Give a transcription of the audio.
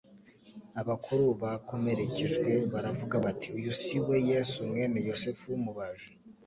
Abakuru bakomerekejwe baravuga bati: «Uyu si we Yesu mwene Yosefu w'umubaji?